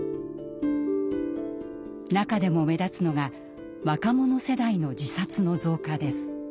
中でも目立つのが若者世代の自殺の増加です。